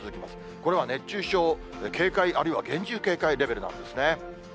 これは熱中症警戒、あるいは厳重警戒レベルなんですね。